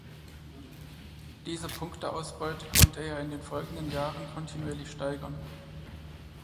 Diese Punkteausbeute konnte er in den folgenden Jahren kontinuierlich steigern.